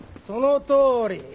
そのとおり。